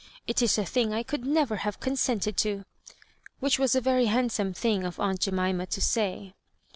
It is a thing I could never have con sented to," — ^which was a very handsome thing of aunt Jemima to say.